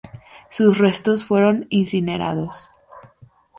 Sus restos fueron incinerados.